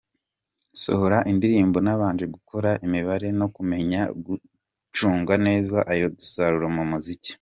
Nsohora indirimbo nabanje gukora imibare no kumenya gucunga neza ayo dusarura mu muziki.